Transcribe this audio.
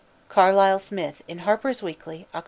CARLYLE SMITH _in Harper's Weekly, Oct.